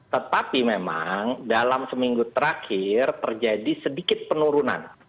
tetapi memang dalam seminggu terakhir terjadi sedikit penurunan